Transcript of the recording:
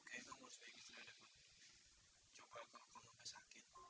aku menganggitnya tante tanti setelah itu